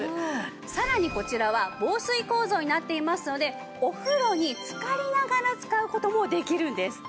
さらにこちらは防水構造になっていますのでお風呂につかりながら使う事もできるんです。